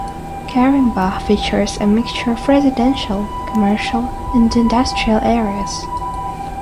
Caringbah features a mixture of residential, commercial and industrial areas.